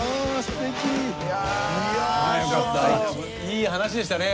いい話でしたね。